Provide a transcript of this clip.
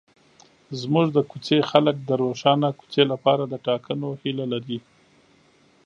زموږ د کوڅې خلک د روښانه کوڅې لپاره د ټاکنو هیله لري.